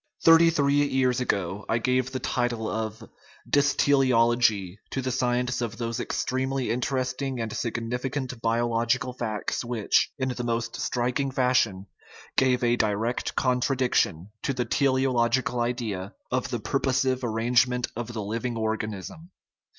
Thirty three years ago I gave the title of "dystele ology" to the science of those extremely interesting and significant biological facts, which, in the most striking fashion, give a direct contradiction to the tele ological idea " of the purposive arrangement of the liv ing organism."